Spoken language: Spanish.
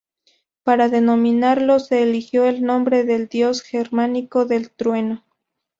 Para denominarlo, se eligió el nombre del dios germánico del trueno.